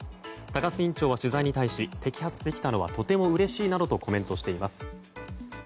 高須院長は取材に対し摘発できたのはとてもうれしいなどとコメントしています。